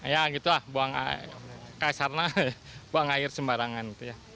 ya gitu lah buang air kaisar buang air sembarangan